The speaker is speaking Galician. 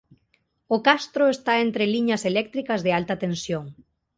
O castro está entre liñas eléctricas de alta tensión.